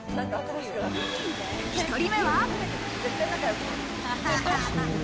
１人目は。